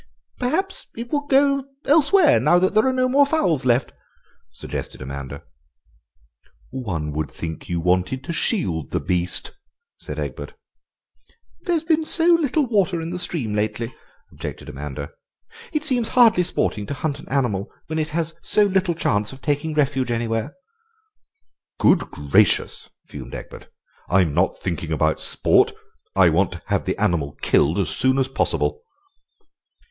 "Perhaps it will go elsewhere now there are no more fowls left," suggested Amanda. "One would think you wanted to shield the beast," said Egbert. "There's been so little water in the stream lately," objected Amanda; "it seems hardly sporting to hunt an animal when it has so little chance of taking refuge anywhere." "Good gracious!" fumed Egbert, "I'm not thinking about sport. I want to have the animal killed as soon as possible."